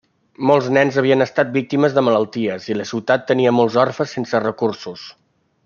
Molts nens havien estat víctimes de malalties i la ciutat tenia molts orfes sense recursos.